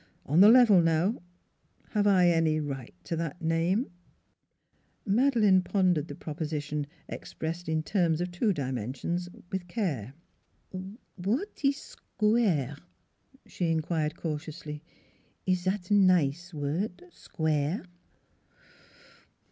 On the level, now, have I any right to that name ?" Madeleine pondered the proposition, expressed in terms of two dimensions, with care. NEIGHBORS 277 "Wat ees sq ware?" she inquired cautiously. " Eees zat nize word sq ware?"